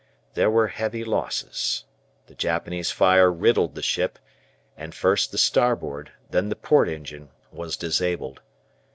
There were heavy losses. The Japanese fire riddled the ship, and first the starboard, then the port engine was disabled.